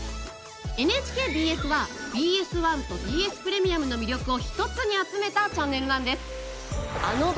ＮＨＫＢＳはＢＳ１とＢＳプレミアムの魅力を一つに集めたチャンネルなんです。